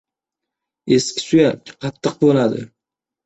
• Eski suyak qattiq bo‘ladi.